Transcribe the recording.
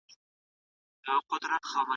د خپلو هغو وطنوالو بې وزلي کډي ولیدلې